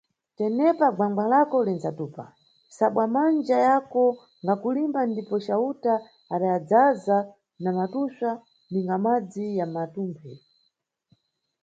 Tenepa gwanga lako linʼdzatupa, sabwa manja yako ngakulimba, ndipo cayuta adayadaza na matupswa, ninga madzi ya matumphe.